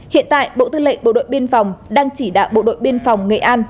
hiện tại bộ tư lệnh bộ đội biên phòng đang chỉ đạo bộ đội biên phòng nghệ an